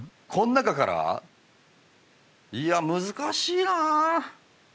この中から？いや難しいな！